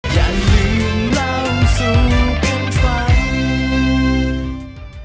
อย่าลืมเล่าสู่คนฟัง